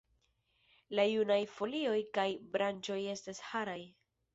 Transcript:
La junaj folioj kaj branĉoj estas haraj.